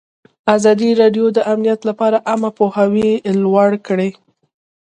ازادي راډیو د امنیت لپاره عامه پوهاوي لوړ کړی.